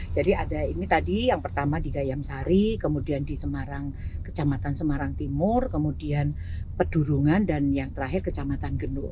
jadi ada ini tadi yang pertama di gayam sari kemudian di semarang kecamatan semarang timur kemudian pedudungan dan yang terakhir kecamatan gendul